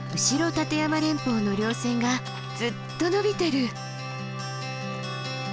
立山連峰の稜線がずっとのびている！